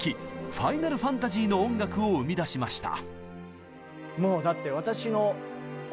「ファイナルファンタジー」の音楽を生み出しました。